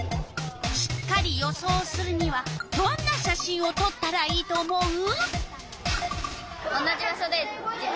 しっかり予想するにはどんな写真をとったらいいと思う？